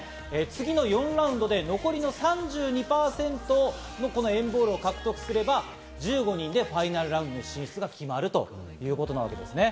次の４ラウンドで残りの３２％の＆ＢＡＬＬを獲得すれば１５人でファイナルラウンドの進出が決まるということなんですね。